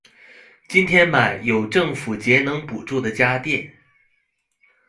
今天買有政府節能補助的家電